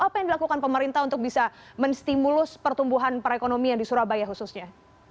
apa yang dilakukan pemerintah untuk bisa menstimulus pertumbuhan perekonomian di surabaya khususnya